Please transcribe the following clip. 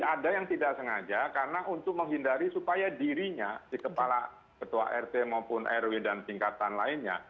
ada yang tidak sengaja karena untuk menghindari supaya dirinya si kepala ketua rt maupun rw dan tingkatan lainnya